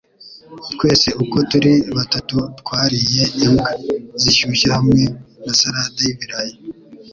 Twese uko turi batatu twariye imbwa zishyushye hamwe na salade y'ibirayi.